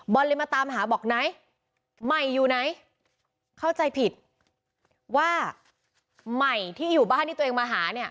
เลยมาตามหาบอกไหนใหม่อยู่ไหนเข้าใจผิดว่าใหม่ที่อยู่บ้านที่ตัวเองมาหาเนี่ย